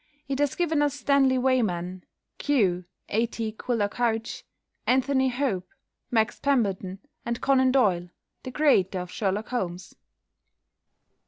It has given us Stanley Weyman, "Q" (A. T. Quiller Couch), "Anthony Hope," Max Pemberton, and Conan Doyle, the creator of Sherlock Holmes.